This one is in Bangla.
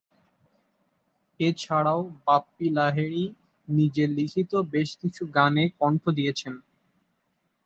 এছাড়াও, বাপ্পী লাহিড়ী নিজের লিখিত বেশ কিছু গানে কণ্ঠ দিয়েছেন।